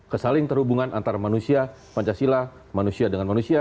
kesaling terhubungan antara manusia pancasila manusia dengan manusia